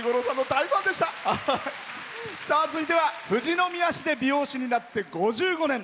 続いては、富士宮市で美容師になって５５年。